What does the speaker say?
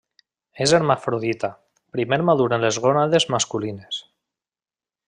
És hermafrodita, primer maduren les gònades masculines.